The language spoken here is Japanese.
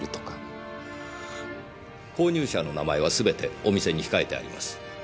購入者の名前はすべてお店に控えてあります。